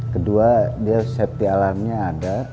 kedua dia safety alarmnya ada